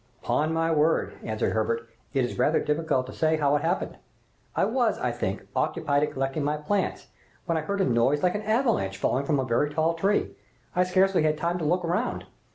"Upon my word," answered Herbert, "it is rather difficult to say how it happened. I was, I think, occupied in collecting my plants, when I heard a noise like an avalanche falling from a very tall tree. I scarcely had time to look round.